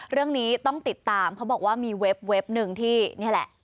เรื่องนี้ต้องติดตามเขาบอกว่ามีเว็บหนึ่งที่นี่แหละ